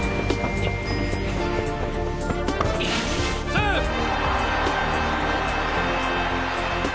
セーフ！